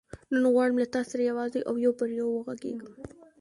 نن غواړم له تا سره یوازې او یو پر یو وغږېږم.